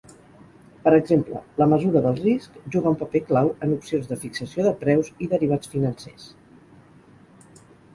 Per exemple, la mesura del risc juga un paper clau en opcions de fixació de preus i derivats financers.